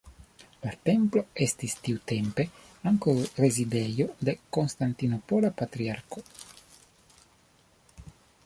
La templo estis tiutempe ankaŭ rezidejo de konstantinopola patriarko.